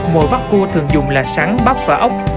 mồi bắp cua thường dùng là sắn bắp và ốc